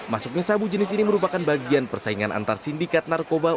masuknya sabu jenis ini merupakan bagian persaingan antar sindikat narkoba